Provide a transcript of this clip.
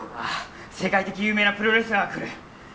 世界的に有名なプロレスラーが来る。